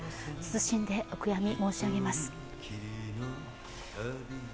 謹んでお悔やみ申し上げます。